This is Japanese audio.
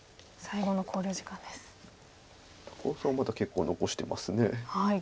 高尾さんはまだ結構残してます。